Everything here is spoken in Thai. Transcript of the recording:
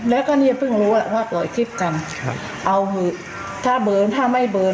แล้วก็เนี่ยเพิ่งรู้ว่าปล่อยคลิปกันครับเอาเถอะถ้าเบิร์นถ้าไม่เบิร์น